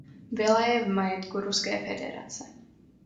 Vila je v majetku Ruské federace.